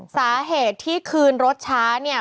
สาเหตุที่คืนรถช้าเนี่ย